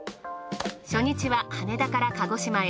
初日は羽田から鹿児島へ。